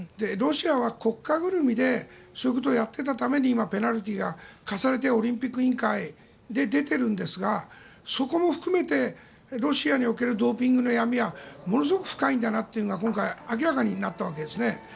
ロシアは国家ぐるみでそういうことをやっていたために今、ペナルティーが科されてオリンピック委員会で出ているんですがそこも含めてロシアにおけるドーピングの闇はものすごく深いんだなと今回明らかになったわけですね。